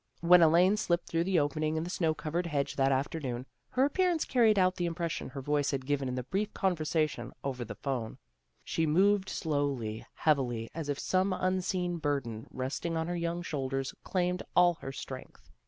When Elaine slipped through the opening in the snow covered hedge that afternoon, her appearance carried out the impression her voice had given in the brief conversation over the CHRISTMAS CELEBRATIONS 205 'phone. She moved slowly, heavily, as if some unseen burden, resting on her young shoulders, claimed all her strength.